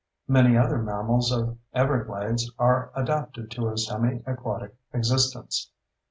Many other mammals of Everglades are adapted to a semi aquatic existence.